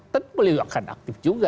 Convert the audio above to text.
tentu beliau akan aktif juga